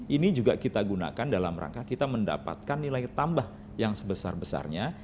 ini juga kita gunakan dalam rangka kita mendapatkan nilai tambah yang sebesar besarnya